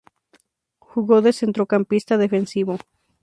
Jugó de centrocampista defensivo.